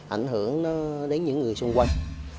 ảnh hưởng đến những người xung quanh